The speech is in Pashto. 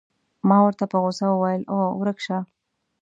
ما ورته په غوسه وویل: اوه، ورک شه.